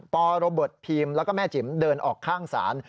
ปโรเบิร์ตพีมแล้วก็แม่จิ๋มเดินออกข้างศาล